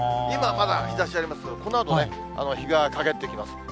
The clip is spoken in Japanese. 今はまだ日ざしありますが、このあとね、日が陰ってきます。